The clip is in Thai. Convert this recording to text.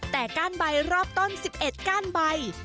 แต่ก้านใบรอบต้น๑๑ก้านใบ